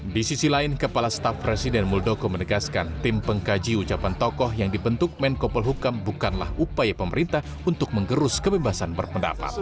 di sisi lain kepala staf presiden muldoko menegaskan tim pengkaji ucapan tokoh yang dibentuk menkopol hukam bukanlah upaya pemerintah untuk mengerus kebebasan berpendapat